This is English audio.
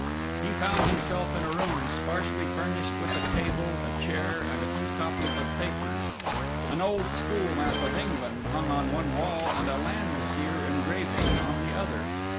He found himself in a room sparsely furnished with a table, a chair and a few copies of papers. An old school map of England hung on one wall and a Landseer engraving on the other.